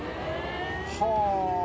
はあ！